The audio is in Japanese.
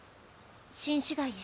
新市街へ。